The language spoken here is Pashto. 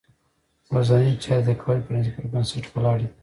ورځنۍ چارې د قواعدو په بنسټ ولاړې دي.